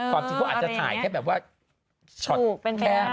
ความจริงก็อาจจะถ่ายแค่แบบว่าช็อตแค่เป็นแค่ค่ะ